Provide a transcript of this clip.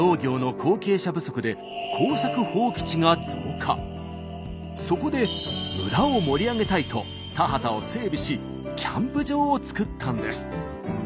近年村はそこで村を盛り上げたいと田畑を整備しキャンプ場を作ったんです。